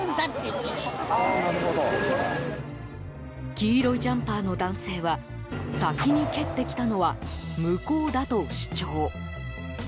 黄色いジャンパーの男性は先に蹴ってきたのは向こうだと主張。